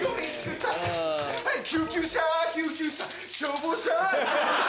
救急車救急車消防車消防車。